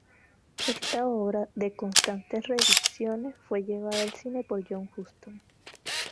Esta obra, de constantes reediciones, fue llevada al cine por John Huston.